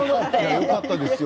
よかったですよ